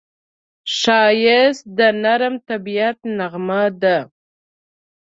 ښایست د نرم طبیعت نغمه ده